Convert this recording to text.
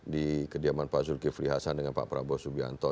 di kediaman pak zulkifli hasan dengan pak prabowo subianto